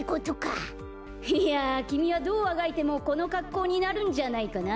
いやきみはどうあがいてもこのかっこうになるんじゃないかな。